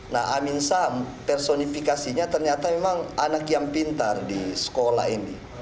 nah amin sam personifikasinya ternyata memang anak yang pintar di sekolah ini